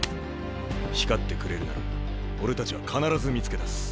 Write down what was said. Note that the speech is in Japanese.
光ってくれるなら俺たちは必ず見つけ出す。